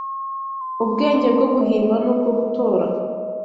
ubwenge bwo guhimba n’ubwo gutora